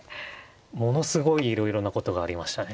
ものすごいいろいろなことがありましたね。